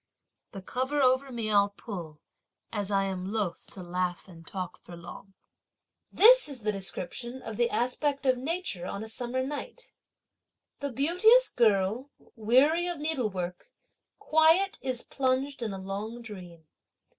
The cover over me I'll pull, as I am loth to laugh and talk for long. This is the description of the aspect of nature on a summer night: The beauteous girl, weary of needlework, quiet is plunged in a long dream.